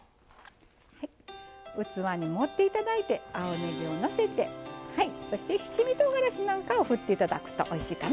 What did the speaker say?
器に盛っていただいて青ねぎをのせてそして、七味とうがらしなんかを振っていただくとおいしいかな。